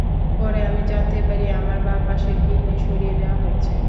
পরে আমি জানতে পারি, আমার বাঁ পাশের কিডনি সরিয়ে নেওয়া হয়েছে।